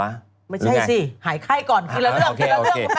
ไม่ใช่สิหายไข้ก่อนคือละเรื่องคือละเรื่องของแม่